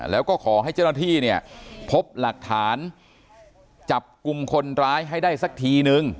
แล้วก็ขอให้เจ้าหน้าที่เนี่ยพบหลักฐานจับกลุ่มคนร้ายให้ได้สักทีนึง